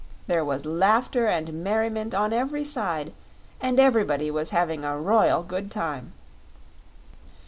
There was laughter and merriment on every side, and everybody was having a royal good time.